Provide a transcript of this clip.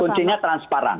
dan kuncinya transparan